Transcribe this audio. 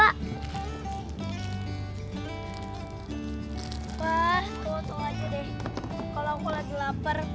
ambil ini deh